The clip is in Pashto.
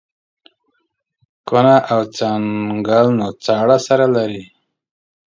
کونه او څنگل نو څه اړه سره لري.